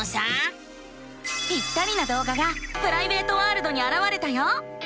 ぴったりなどうががプライベートワールドにあらわれたよ。